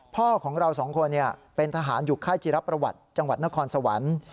พ่อของเราสองคนเป็นทหารอยู่ค่ายจิรับประวัติจังหวัดนครสวรรค์